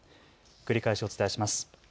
繰り返しお伝えします。